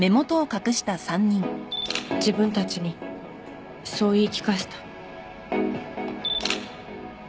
自分たちにそう言い聞かせた。